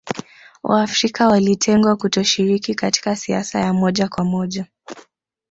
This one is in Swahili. Waafrika walitengwa kutoshiriki katika siasa ya moja kwa moja